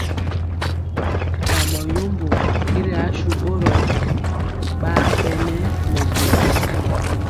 Kamɔ yombo i ri asu ɓorɔ ɓaa ɓɛ nɛ mɛjɛ gɔ.